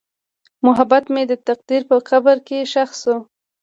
محبت مې د تقدیر په قبر کې ښخ شو.